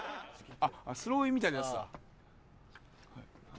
あっスローインみたいなやつだ。